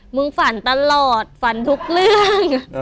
มึงฝันตลอดฝันทุกเรื่อง